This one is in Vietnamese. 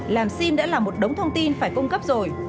làm sim đã là một đống thông tin phải cung cấp rồi